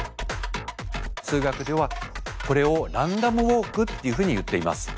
数学ではこれをランダムウォークっていうふうにいっています。